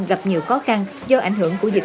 gặp nhiều khó khăn do ảnh hưởng của dịch